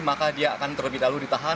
maka dia akan terlebih dahulu ditahan